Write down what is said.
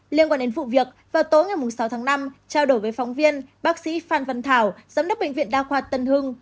liên quan đến vụ việc vào tối ngày sáu tháng năm trao đổi với phóng viên bác sĩ phan văn thảo giám đốc bệnh viện đa khoa tân hưng